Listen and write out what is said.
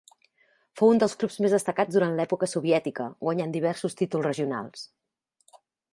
Fou un dels clubs més destacats durant l'època soviètica, guanyant diversos títols regionals.